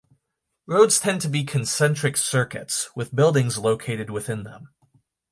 Roads tend to be concentric circuits, with buildings located within them.